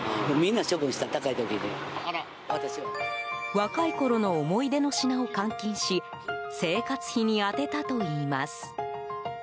若いころの思い出の品を換金し生活費に充てたといいます。